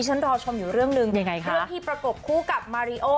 ดิฉันรอชมอยู่เรื่องนึงเพื่อพี่ประกบคู่กับมาริโอ